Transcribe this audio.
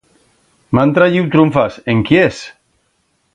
M'han trayiu trunfas, en quiers?